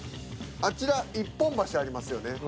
あちら一本橋ありますよね。